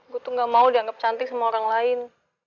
gue tuh gak mau dianggap cantik sama orang lain